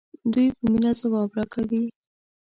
دوی په مینه ځواب راکوي.